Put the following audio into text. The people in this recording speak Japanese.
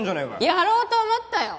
やろうと思ったよ！